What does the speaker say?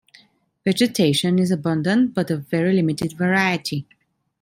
Vegetation is abundant but of very limited variety.